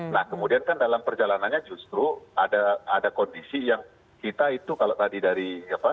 nah kemudian kan dalam perjalanannya justru ada kondisi yang kita itu kalau tadi dari apa